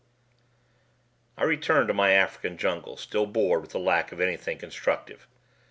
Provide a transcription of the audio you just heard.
I returned to my African jungle still bored with the lack of anything constructive.